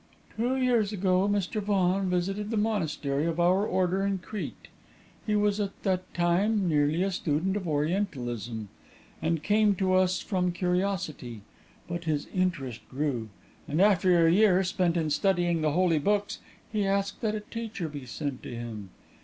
"Two years ago, Mr. Vaughan visited the monastery of our order in Crete. He was at that time merely a student of Orientalism, and came to us from curiosity. But his interest grew; and after a year spent in studying the holy books, he asked that a teacher be sent to him.